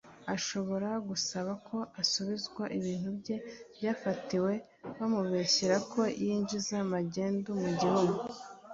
ashobora gusaba ko asubizwa ibintu bye byafatiriwe bamubeshyera ko yinjiza magendo mu igihugu